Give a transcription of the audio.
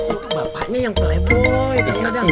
itu bapaknya yang pelepoi kang dadang